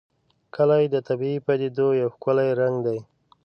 کلي د طبیعي پدیدو یو ښکلی رنګ دی.